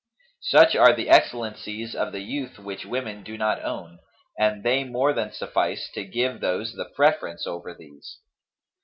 Such are the excellencies of the youth which women do not own, and they more than suffice to give those the preference over these.'